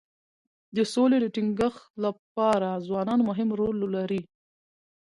د سولې د ټینګښت لپاره ځوانان مهم رول لري.